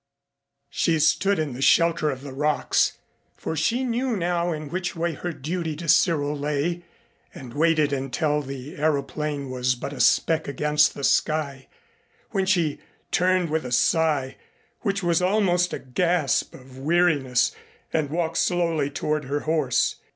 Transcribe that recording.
] She stood in the shelter of the rocks, for she knew now in which way her duty to Cyril lay, and waited until the aëroplane was but a speck against the sky, when she turned with a sigh which was almost a gasp of weariness and walked slowly toward her horse.